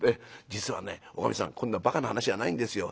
実はねおかみさんこんなばかな話はないんですよ。